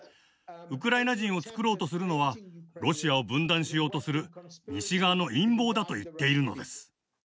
ウクライナ人をつくろうとするのはロシアを分断しようとする西側の陰謀だと言っているのです。